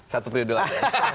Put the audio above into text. satu periode lagi